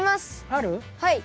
はい。